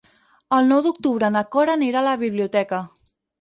El nou d'octubre na Cora anirà a la biblioteca.